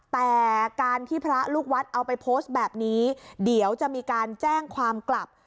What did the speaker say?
แต่การที่พระลูกวัดเอาไปโพสต์แบบนี้เดี๋ยวจะมีการแจ้งความกลับ